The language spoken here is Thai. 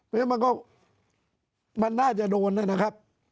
เพราะฉะนั้นมันก็มันน่าจะโดนนะครับ